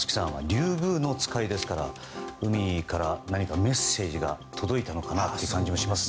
リュウグウノツカイですから海から何かメッセージが届いたのかなという感じもします。